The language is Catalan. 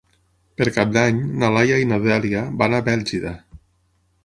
Per Cap d'Any na Laia i na Dèlia van a Bèlgida.